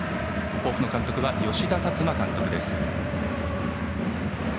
甲府の監督は吉田達磨監督です。